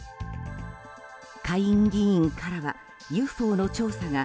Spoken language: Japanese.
下院議員からはＵＦＯの調査が